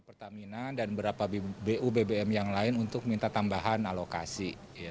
pertamina dan beberapa bu bbm yang lain untuk minta tambahan alokasi